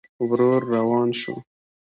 ورو روان شو.